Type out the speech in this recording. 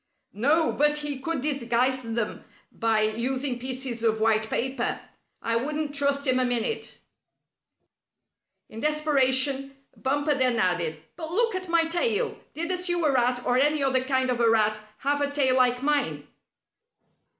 "No, but he could disguise them by using pieces of white paper. I wouldn't trust him a minute." In desperation, Bumper then added: "But look at my tail! Did a Sewer Rat or any other kind of a Rat have a tail like mine?"